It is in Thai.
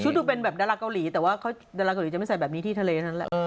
ดูเป็นแบบดาราเกาหลีแต่ว่าดาราเกาหลีจะไม่ใส่แบบนี้ที่ทะเลเท่านั้นแหละ